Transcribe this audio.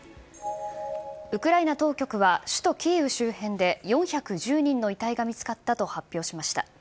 ウクライナ当局は首都キーウ周辺で４１０人の遺体が見つかったと発表しました。